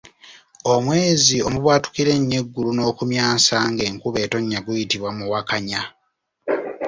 Omwezi omubwatukira ennyo eggulu n’okumyansa ng’enkuba etonnya guyitibwa Muwakanya.